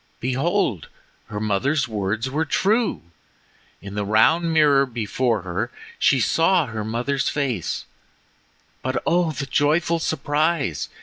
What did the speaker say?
Behold, her mother's words were true! In the round mirror before her she saw her mother's face; but, oh, the joyful surprise!